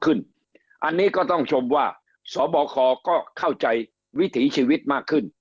อันนี้ก็ต้องชมว่าสบคก็เข้าใจวิถีชีวิตมากขึ้น